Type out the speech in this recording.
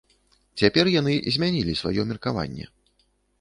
Цяпер яны змянілі сваё меркаванне.